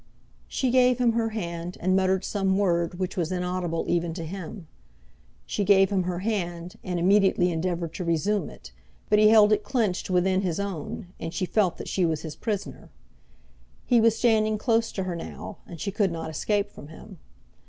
She gave him her hand, and muttered some word which was inaudible even to him; she gave him her hand, and immediately endeavoured to resume it, but he held it clenched within his own, and she felt that she was his prisoner. He was standing close to her now, and she could not escape from him.